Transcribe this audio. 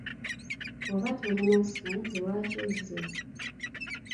Oba tolina ssente lwaki ozze?